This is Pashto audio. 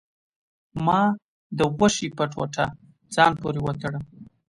ما د غوښې په ټوټه ځان پورې وتړه.